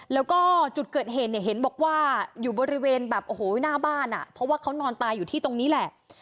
แล้วก็จุดเกิดเหตุเนี่ยเห็นบอกว่าอยู่บริเวณแบบโอ้โหหน้าบ้านอ่ะเพราะว่าเขานอนตายอยู่ที่ตรงนี้แหละ